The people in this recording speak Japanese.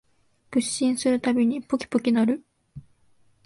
屈伸するたびにポキポキ鳴る